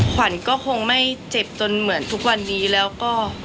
ขวัญก็คงไม่เจ็บจนเหมือนทุกวันนี้แล้วก็